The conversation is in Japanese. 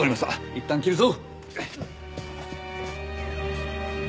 いったん切るぞ。